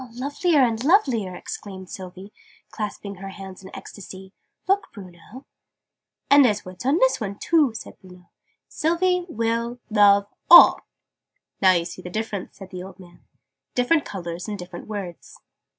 "Lovelier and lovelier!" exclaimed Sylvie, clasping her hands in ecstasy. "Look, Bruno!" "And there's words on this one, too," said Bruno. "Sylvie will love all." "Now you see the difference," said the old man: "different colours and different words."